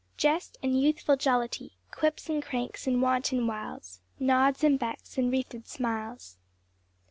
"Jest and youthful jollity, Quips and cranks and wanton wiles, Nods and becks and wreathed smiles."